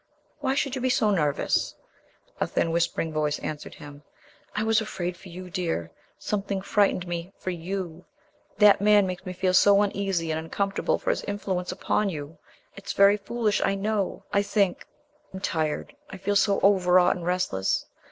Why should you be so nervous?" A thin whispering voice answered him: "I was afraid for you, dear. Something frightened me for you. That man makes me feel so uneasy and uncomfortable for his influence upon you. It's very foolish, I know. I think... I'm tired; I feel so overwrought and restless."